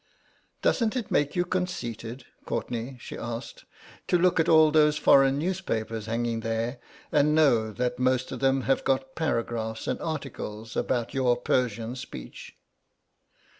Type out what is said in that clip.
"Doesn't it make you conceited, Courtenay," she asked, "to look at all those foreign newspapers hanging there and know that most of them have got paragraphs and articles about your Persian speech?"